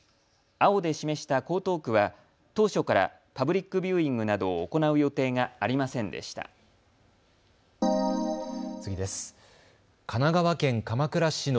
青で示した江東区は当初からパブリックビューイングなどを行う予定がありませんでした。